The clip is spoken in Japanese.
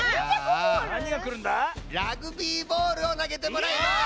ラグビーボールをなげてもらいます！